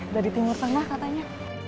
dari timur tanah katanya